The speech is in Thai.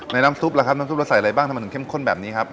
น้ำซุปล่ะครับน้ำซุปเราใส่อะไรบ้างทำไมถึงเข้มข้นแบบนี้ครับ